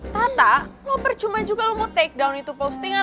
tata lo percuma juga lo mau take down itu postingan